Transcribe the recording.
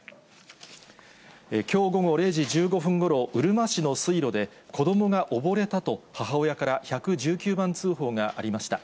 きょう午後０時１５分ごろ、うるま市の水路で、子どもが溺れたと、母親から１１９番通報がありました。